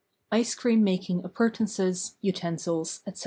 ICE CREAM MAKING APPURTENANCES, UTENSILS, ETC.